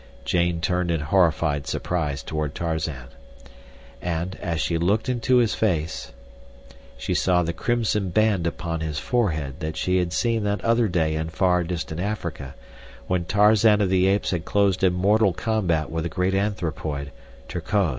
Jane turned in horrified surprise toward Tarzan. And, as she looked into his face, she saw the crimson band upon his forehead that she had seen that other day in far distant Africa, when Tarzan of the Apes had closed in mortal combat with the great anthropoid—Terkoz.